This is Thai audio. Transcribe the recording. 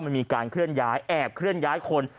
มันมีการเคลื่อนย้ายแอบเคลื่อนย้ายคน